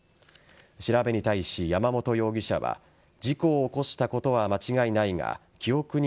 調べに対し、山本容疑者は事故を起こしたことは間違いないが新しいリセッシューは！